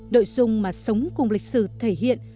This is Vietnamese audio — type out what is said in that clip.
đội dung mà sống cùng lịch sử thể hiện